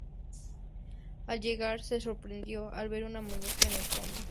Al llegar, se sorprendió al ver una muñeca en el fondo.